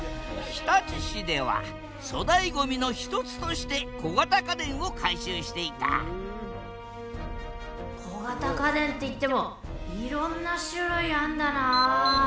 日立市では粗大ごみの一つとして小型家電を回収していた小型家電っていってもいろんな種類あんだな。